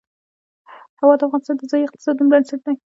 هوا د افغانستان د ځایي اقتصادونو بنسټ دی.